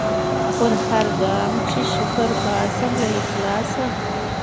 پر هرګام چي شکر باسم له اخلاصه